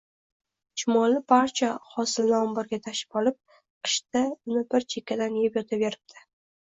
Chumoli barcha hosilni omborga tashib olib, qishda uni bir chekkadan yeb yotaveribdi